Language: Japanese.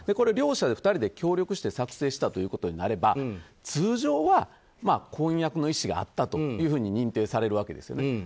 両者で協力して作成したということになれば通常は婚約の意思があったというふうに認定されるわけですよね。